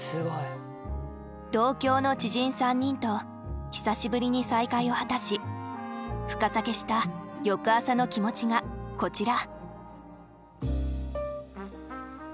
同郷の知人３人と久しぶりに再会を果たし深酒した翌朝の気持ちがこちら。